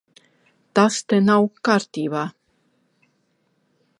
Tas te nav kārtībā.